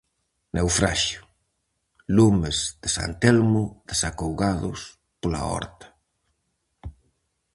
Naufraxio, lumes de san Telmo desacougados pola horta.